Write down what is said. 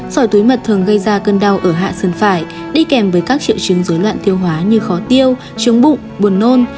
sỏi túi mật thường gây ra cơn đau ở hạ sơn phải đi kèm với các triệu chứng dưới loạn tiêu hóa như khó tiêu trướng bụng buồn nôn